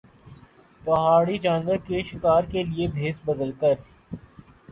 پہاڑی جانوروں کے شکار کے لئے بھیس بدل کر